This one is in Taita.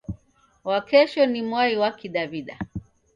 Wakesho ni mwai wa kidaw'ida.